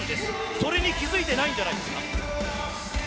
それに気づいてないんじゃないですか。